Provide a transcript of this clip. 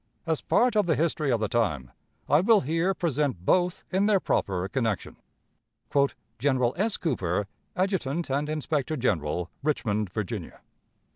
As part of the history of the time, I will here present both in their proper connection: "General S. Cooper, _Adjutant and Inspector General, Richmond Virginia.